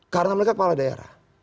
karena mereka kepala daerah